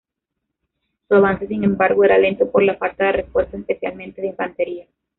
Su avance, sin embargo, era lento por la falta de refuerzos, especialmente de infantería.